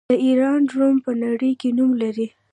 د ایران ډرون په نړۍ کې نوم لري.